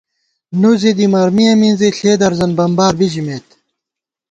نُو ضدِمرمیہ منزی ، ݪے درزن بمبار بی ژمېت